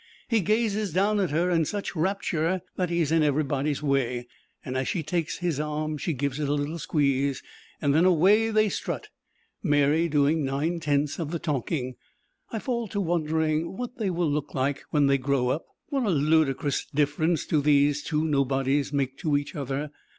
He gazes down at her in such rapture that he is in everybody's way, and as she takes his arm she gives it a little squeeze, and then away they strut, Mary doing nine tenths of the talking. I fall to wondering what they will look like when they grow up. What a ludicrous difference do these two nobodies make to each other.